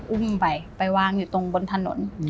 อุ้มไปไปวางอยู่ตรงบนถนน